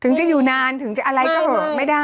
ถึงจะอยู่นานถึงจะอะไรก็ไม่ได้